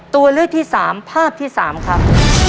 ตัวเลือกที่๓ภาพที่๓ครับ